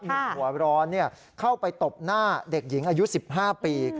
หนุ่มหัวร้อนเข้าไปตบหน้าเด็กหญิงอายุ๑๕ปี